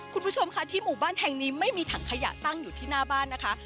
คุณผู้ชมค่ะที่หมู่บ้านแห่งนี้ไม่มีถังขยะตั้งอยู่ที่หน้าบ้านนะคะ